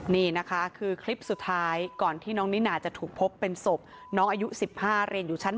นี่นะคะคือคลิปสุดท้ายก่อนที่น้องนิน่าจะถูกพบเป็นศพน้องอายุ๑๕เรียนอยู่ชั้น๒